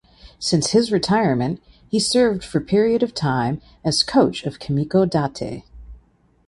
Since his retirement he served for period of time as coach of Kimiko Date.